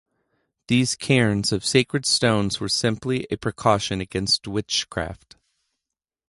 These cairns of sacred stones were simply a precaution against witchcraft.